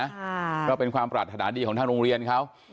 เพราะเป็นความประหลักฐาณดีของทางโรงเรียนเขา